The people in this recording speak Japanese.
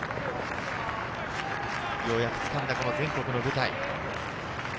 ようやくつかんだ全国の舞台。